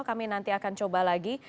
kami nanti akan coba lagi